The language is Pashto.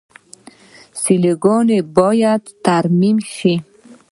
سیلوګانې باید ترمیم شي.